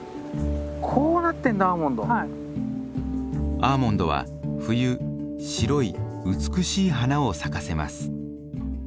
アーモンドは冬白い美しい花を咲かせます。